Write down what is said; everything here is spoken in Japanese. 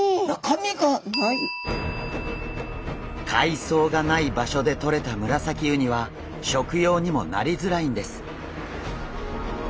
海藻がない場所でとれたムラサキウニは食用にもなりづらいんです。